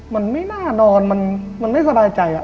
มันไม่น่านอนมันไม่สบายใจ